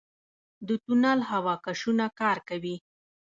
د تونل هوا کشونه کار کوي؟